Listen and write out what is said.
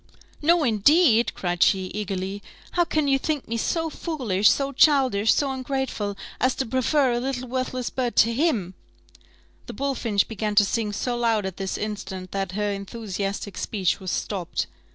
"No, indeed!" cried she, eagerly: "how can you think me so foolish, so childish, so ungrateful, as to prefer a little worthless bird to him " (the bullfinch began to sing so loud at this instant, that her enthusiastic speech was stopped).